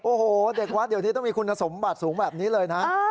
โอ้โหเด็กวัดเดี๋ยวนี้ต้องมีคุณสมบัติสูงแบบนี้เลยนะ